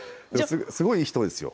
すごい、いい人ですよ。